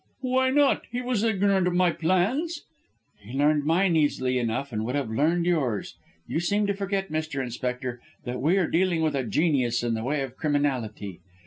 "Why not? He was ignorant of my plans?" "He learned mine easily enough, and would have learned yours. You seem to forget, Mr. Inspector, that we are dealing with a genius in the way of criminality.